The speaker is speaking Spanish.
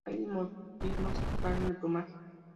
Hay dimorfismo sexual en el plumaje.